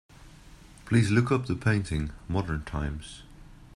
Please look up the painting, Modern times.